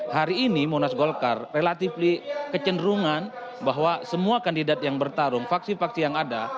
hari ini monas golkar relatif kecenderungan bahwa semua kandidat yang bertarung faksi faksi yang ada